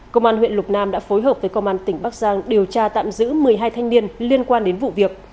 công an huyện lục nam đã phối hợp với công an tỉnh bắc giang điều tra tạm giữ một mươi hai thanh niên liên quan đến vụ việc